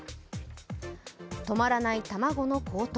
止まらない卵の高騰